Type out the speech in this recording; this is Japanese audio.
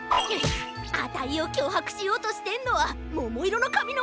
あたいをきょうはくしようとしてんのはももいろのかみのおとこなのか！？